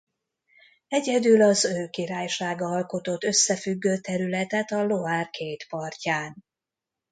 Egyedül az ő királysága alkotott összefüggő területet a Loire két partján.